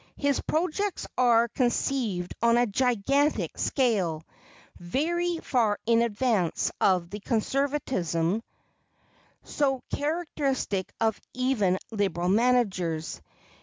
His projects are conceived on a gigantic scale, very far in advance of the conservatism so characteristic of even liberal managers.